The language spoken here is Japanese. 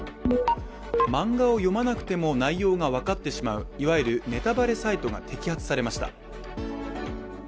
漫画を読まなくても、内容が分かってしまういわゆるネタバレサイトが摘発されました。